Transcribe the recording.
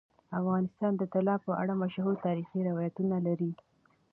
افغانستان د طلا په اړه مشهور تاریخی روایتونه لري.